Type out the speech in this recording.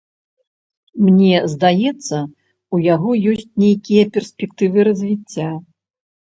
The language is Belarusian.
Мне здаецца, у яго ёсць нейкія перспектывы развіцця.